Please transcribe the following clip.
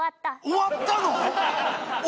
終わったの？